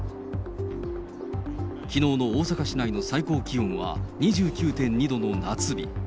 きのうの大阪市内の最高気温は２９．２度の夏日。